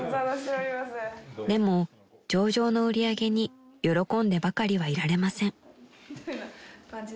［でも上々の売り上げに喜んでばかりはいられません］